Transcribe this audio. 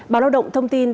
báo lao động thông tin